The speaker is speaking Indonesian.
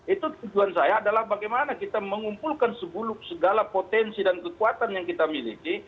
itu tujuan saya adalah bagaimana kita mengumpulkan segala potensi dan kekuatan yang kita miliki